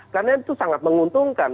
karena itu sangat menguntungkan